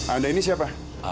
anda ini siapa